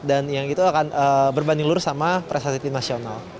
dan yang itu akan berbanding lurus sama prestasi tim nasional